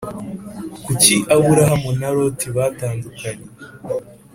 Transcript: Kuki aburahamu na loti batandukanye